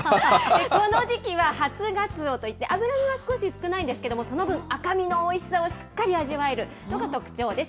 この時期は初ガツオといって脂身は少し少ないんですけれども、その分、赤身のおいしさをしっかり味わえるのが特徴です。